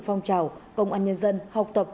phong trào công an nhân dân học tập